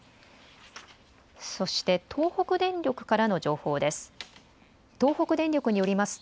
そして東北電力からの情報です。